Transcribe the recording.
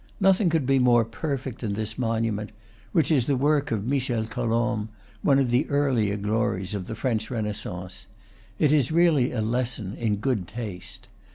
Nothing could be more perfect than this monument, which is the work of Michel Colomb, one of the earlier glories of the French Renaissance; it is really a lesson in good taste.